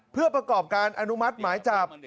เพื่อประกอบการอนุมัติหมายจับ